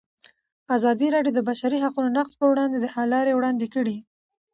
ازادي راډیو د د بشري حقونو نقض پر وړاندې د حل لارې وړاندې کړي.